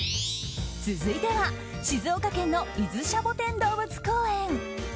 続いては、静岡県の伊豆シャボテン動物公園。